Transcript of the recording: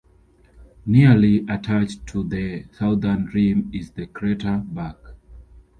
Nearly attached to the southern rim is the crater Back.